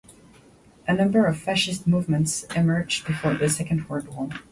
A number of fascist movements emerged before the Second World War.